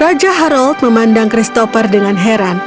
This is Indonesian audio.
raja harald memandang christopher dengan heran